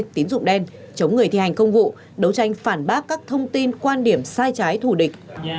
tín dụng đen chống người thi hành công vụ đấu tranh phản bác các thông tin quan điểm sai trái thù địch